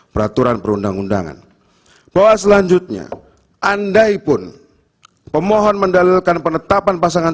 peraturan perundang undangan bahwa selanjutnya andai pun pemohon mendalilkan penetapan pasangan